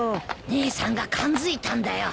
姉さんが感づいたんだよ。